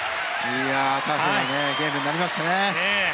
タフなゲームになりましたね。